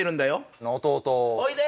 おいで！